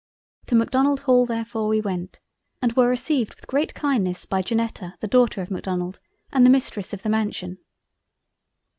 To Macdonald Hall, therefore we went, and were received with great kindness by Janetta the Daughter of Macdonald, and the Mistress of the Mansion.